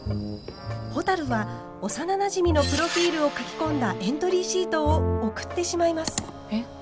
ほたるは幼なじみのプロフィールを書き込んだエントリーシートを送ってしまいます。